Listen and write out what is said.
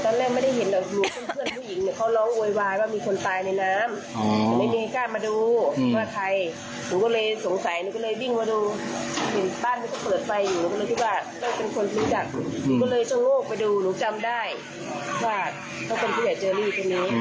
ผมรู้จักผมก็เลยช่องโรคไปดูหนูจำได้ว่าเขาเป็นผู้ใหญ่เจอรี่คนนี้